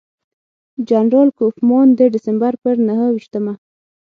جنرال کوفمان د ډسمبر پر نهه ویشتمه.